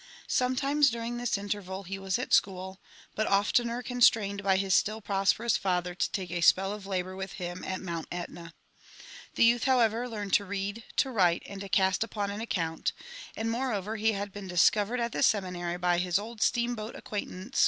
Sometimes during this interval he was at school, but oftener constrained by his still prosperous father to take a spell of labour with him at Mount Etna. The youth, however, learned to read, to write, and to cast up an account ; and moreover, he had been discovered at the seminary by his old steam boat acquaintance.